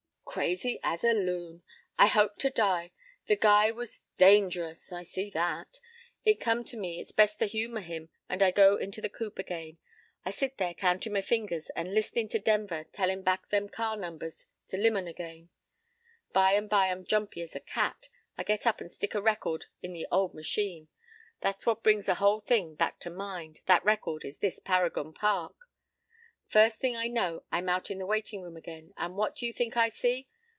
p> "Crazy as a loon. I hope to die! the guy was dangerous. I see that. It come to me it's best to humor him, and I go into the coop again. I sit there countin' my fingers and listenin' to Denver tellin' back them car numbers to Limon again. By and by I'm jumpy as a cat. I get up and stick a record in the old machine.—That's what brings the whole thing back to mind. That record is this 'Paragon Park.' "First thing I know I'm out in the waitin' room again. And what you think I see?